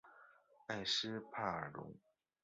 埃斯帕尔龙。